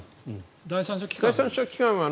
第三者機関は。